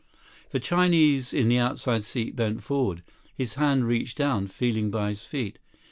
The Chinese in the outside seat bent forward. His hand reached down, feeling by his feet.